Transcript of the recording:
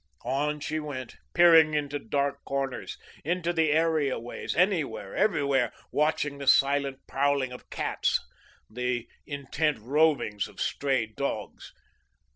On she went, peering into dark corners, into the areaways, anywhere, everywhere, watching the silent prowling of cats, the intent rovings of stray dogs.